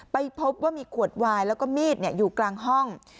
ไปพบว่ามีขวดวายแล้วก็มีดอยู่กลางห้อง